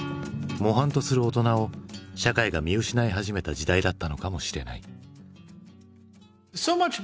模範とする大人を社会が見失い始めた時代だったのかもしれない。